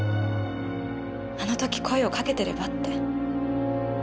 あの時声をかけてればって。